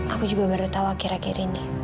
aku juga baru tahu akhir akhir ini